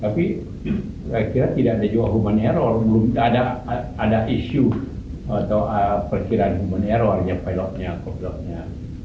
tapi saya kira tidak ada juga human error belum ada isu atau perkiraan human error yang pilotnya kok pilotnya